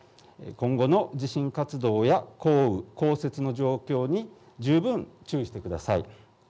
今後の地震活動や降雨降雪の状況に十分注意してください。